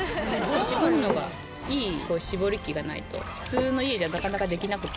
搾るのがいい搾り機がないと普通の家ではなかなかできなくて。